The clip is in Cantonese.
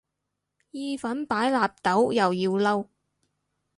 意粉擺納豆又要嬲